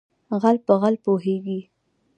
ـ غل په غل پوهېږي.